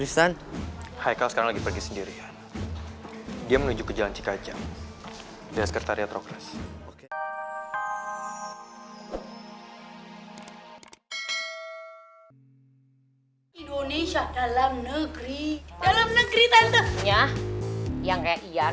sampai jumpa di video selanjutnya